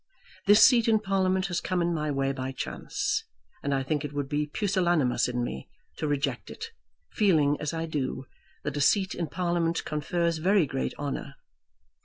This seat in Parliament has come in my way by chance, and I think it would be pusillanimous in me to reject it, feeling, as I do, that a seat in Parliament confers very great honour.